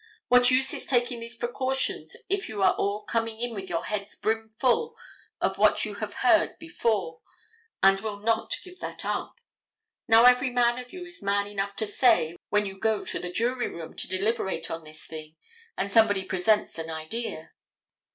What use in taking these precautions if you are all coming in with your heads brim full of what you have heard before and will not give that up? Now every man of you is man enough to say, when you go to the jury room to deliberate on this thing, and somebody presents an idea.